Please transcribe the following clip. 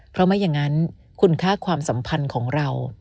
เพราะไม่อย่างนั้นคุณค่าความสัมพันธ์ของเรา